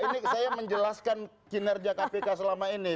ini saya menjelaskan kinerja kpk selama ini